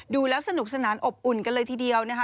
ดูแล้วสนุกสนานอบอุ่นกันเลยทีเดียวนะคะ